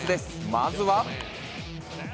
まずは。